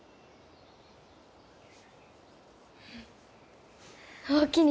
うんおおきに。